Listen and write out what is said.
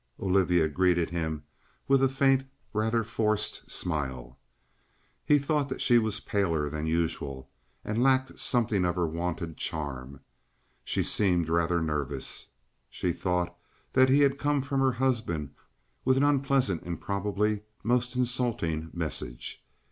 Olivia greeted him with a faint, rather forced smile. He thought that she was paler than usual, and lacked something of her wonted charm. She seemed rather nervous. She thought that he had come from her husband with an unpleasant and probably most insulting message.